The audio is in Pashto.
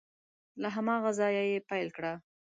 له هماغه ځایه یې پیل کړه